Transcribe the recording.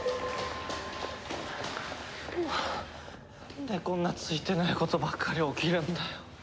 なんでこんなついてないことばっかり起きるんだよ。